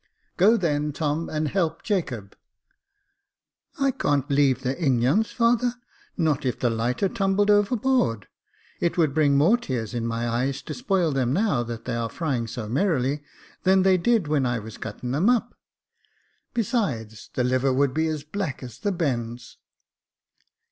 " Go, then, Tom, and help Jacob." I can't leave the ingons, father, not if the lighter tumbled overboard ; it would bring more tears in my eyes to spoil them, now that they are frying so merrily, than they did when I was cutting them up. Besides, the liver would be as black as the bends."